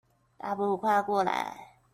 大步跨過來